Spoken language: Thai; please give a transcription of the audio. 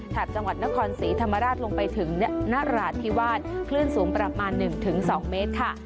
จังหวัดนครศรีธรรมราชลงไปถึงนราธิวาสคลื่นสูงประมาณ๑๒เมตรค่ะ